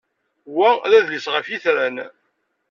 Wa d adlis ɣef yetran.